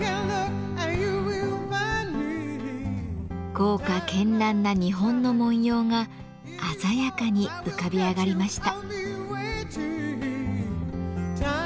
豪華けんらんな日本の文様が鮮やかに浮かび上がりました。